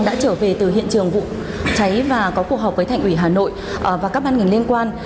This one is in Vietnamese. đã trở về từ hiện trường vụ cháy và có cuộc họp với thành ủy hà nội và các ban ngành liên quan